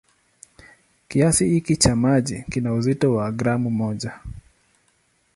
Kiasi hiki cha maji kina uzito wa gramu moja.